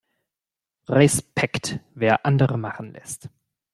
Respekt, wer andere machen lässt!